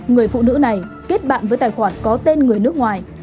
người phụ nữ này kết bạn với tài khoản có tên người nước ngoài